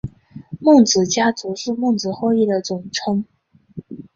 孟子家族是孟子后裔的总称。